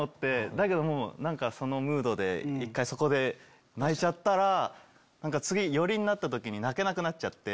だけどもう何かそのムードで一回そこで泣いちゃったら次寄りになった時に泣けなくなっちゃって。